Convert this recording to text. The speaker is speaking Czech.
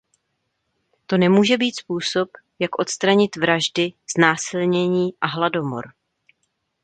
To nemůže být způsob, jak odstranit vraždy, znásilnění a hladomor.